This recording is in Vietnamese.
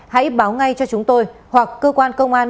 hãy báo ngay cho chúng tôi hoặc cơ quan công an